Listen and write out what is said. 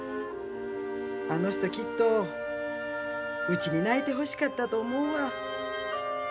あの人きっとうちに泣いてほしかったと思うわ。